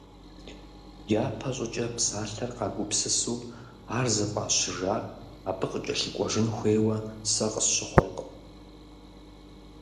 Япэ щӀыкӀэ псалъэр къагупсысу ар зыфӀащыжар абы къыкӀэлъыкӀуэжын хуейуэ сэ къысщыхъуркъым.